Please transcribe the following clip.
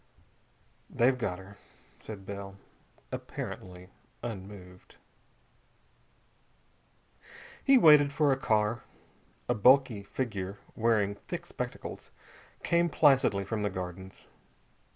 "They've got her," said Bell, apparently unmoved. He waited for a car. A bulky figure wearing thick spectacles came placidly from the Gardens.